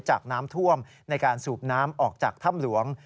จากน้ำท่วมในการสูบน้ำออกจากถ้ำหลวง